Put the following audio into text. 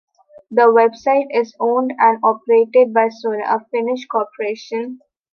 The website is owned and operated by Sulake, a Finnish corporation.